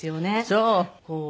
そう。